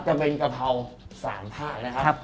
จะเป็นกะเพรา๓ภาคนะครับ